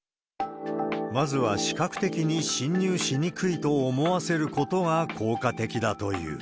まずは視覚的に侵入しにくいと思わせることが効果的だという。